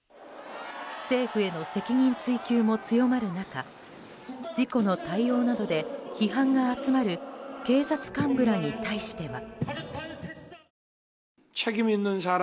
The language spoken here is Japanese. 政府への責任追及も強まる中事故の対応などで批判が集まる警察幹部らに対しては。